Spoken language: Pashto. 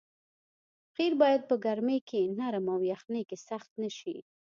قیر باید په ګرمۍ کې نرم او په یخنۍ کې سخت نه شي